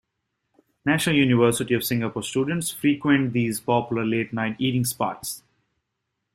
National University of Singapore students frequent these popular late-night eating spots.